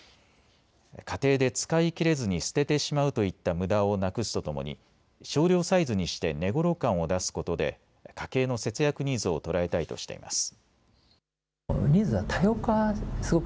家庭で使い切れずに捨ててしまうといったむだをなくすとともに少量サイズにして値ごろ感を出すことで家計の節約ニーズを捉えたいとしています。